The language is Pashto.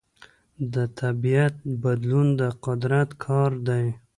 د طبیعت بدلون د قدرت کار دی.